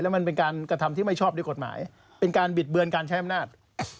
มันเป็นการกระทำที่ไม่ชอบด้วยกฎหมายเป็นการบิดเบือนการใช้อำนาจ